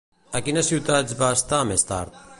A quines ciutats va estar més tard?